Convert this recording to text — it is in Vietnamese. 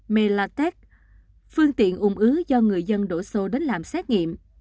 melatec phương tiện ủng ứ do người dân đổ xô đến làm xét nghiệm